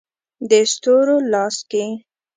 د ستورو لاس کې